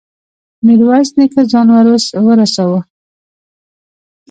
ميرويس نيکه ځان ور ورساوه.